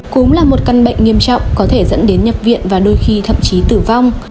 cúm là một căn bệnh nghiêm trọng có thể dẫn đến nhập viện và đôi khi thậm chí tử vong